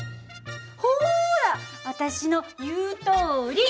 ほら私の言うとおり！